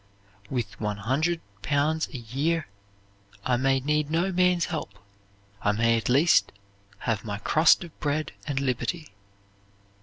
"With one hundred pounds a year I may need no man's help; I may at least have 'my crust of bread and liberty.'